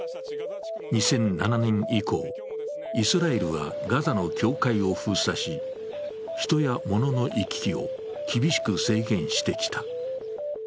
２００７年以降、イスラエルはガザの境界を封鎖し、人や物の行き来を厳しく制限してきた。